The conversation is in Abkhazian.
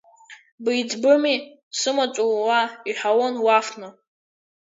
Беиҵбыми, сымаҵ ула, иҳәалон лафны.